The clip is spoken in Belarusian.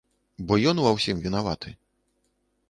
Бо ён ва ўсім вінаваты.